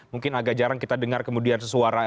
mungkin agak jarang kita dengar kemudian